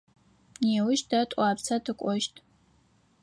Неущ тэ Тӏуапсэ тыкӏощт.